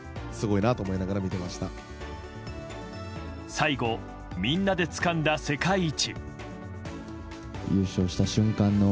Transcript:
最後、みんなでつかんだ世界一。